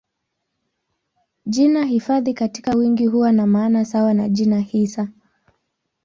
Jina hifadhi katika wingi huwa na maana sawa na jina hisa.